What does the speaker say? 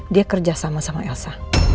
dia kerjasama sama elsa